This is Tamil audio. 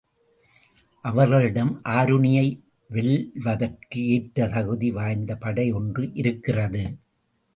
அவர்களிடம் ஆருணியை வெல்வதற்கு ஏற்ற தகுதி வாய்ந்த படை ஒன்று இருக்கிறது.